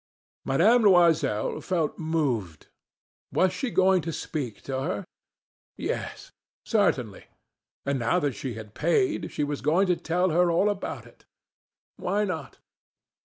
Mme. Loisel felt moved. Was she going to speak to her? Yes, certainly. And now that she had paid, she was going to tell her all about it. Why not?